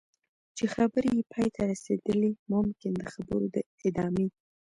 چې خبرې یې پای ته رسېدلي ممکن د خبرو د ادامې.